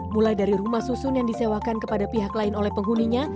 mulai dari rumah susun yang disewakan kepada pihak lain oleh penghuninya